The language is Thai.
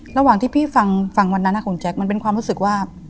ระหว่างที่พี่ฟังวันนั้นคุณแจ๊คมันเป็นความรู้สึกว่า